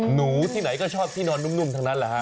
หนูที่ไหนก็ชอบที่นอนนุ่มทั้งนั้นแหละฮะ